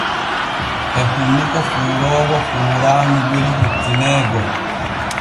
E hunnuko fuuroowo fuuraanu weli hettineego.